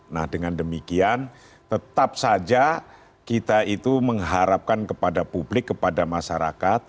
nah dengan demikian tetap saja kita itu mengharapkan kepada publik kepada masyarakat